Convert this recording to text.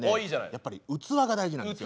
やっぱり器が大事なんですよ。